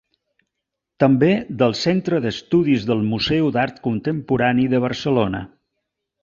També del Centre d'Estudis del Museu d'Art Contemporani de Barcelona.